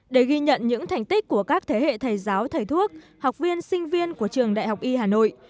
để ghi nhận những thành tích của các thế hệ thầy giáo thầy thuốc học viên sinh viên của trường đại học y hà nội